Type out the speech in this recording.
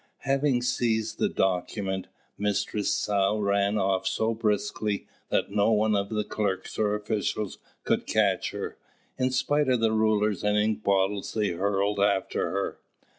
Having seized the document, mistress sow ran off so briskly that not one of the clerks or officials could catch her, in spite of the rulers and ink bottles they hurled after her.